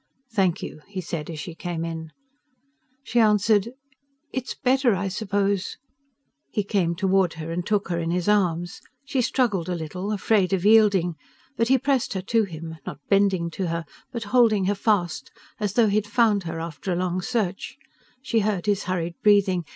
"Thank you," he said as she came in. She answered: "It's better, I suppose " He came toward her and took her in his arms. She struggled a little, afraid of yielding, but he pressed her to him, not bending to her but holding her fast, as though he had found her after a long search: she heard his hurried breathing.